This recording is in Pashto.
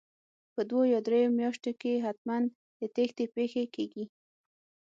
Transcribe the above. په دوو یا درو میاشتو کې حتمن د تېښتې پېښې کیږي